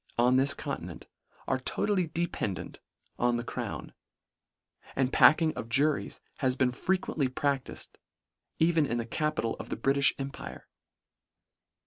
on this continent, are totally dependant on the crown; and packing of juries has been frequently pradtifed even in the capital of the Britiih empire.